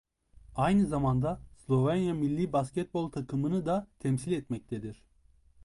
Aynı zamanda Slovenya millî basketbol takımını da temsil etmektedir.